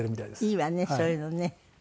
いいわねそういうのね。